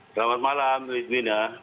selamat malam rizmina